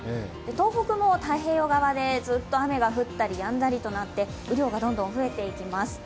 東北も太平洋側でずっと雨が降ったりやんだりとなって雨量がどんどん増えていきます。